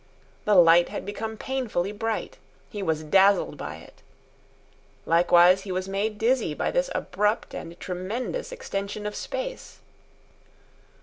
The light had become painfully bright. He was dazzled by it. Likewise he was made dizzy by this abrupt and tremendous extension of space.